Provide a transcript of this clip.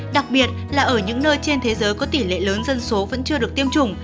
đặc biệt là ở những nơi trên thế giới có tỷ lệ lớn dân số vẫn chưa được tiêm chủng